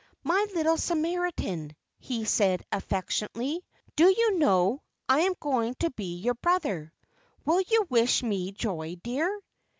"My little Samaritan," he said, affectionately, "do you know, I am going to be your brother. Will you wish me joy, dear!"